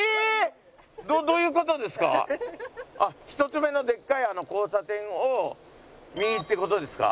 １つ目のでっかい交差点を右って事ですか？